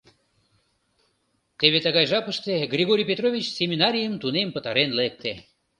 Теве тыгай жапыште Григорий Петрович семинарийым тунем пытарен лекте.